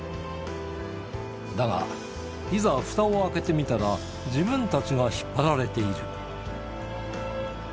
だが、いざ、ふたを開けてみたら、自分たちが引っ張られている。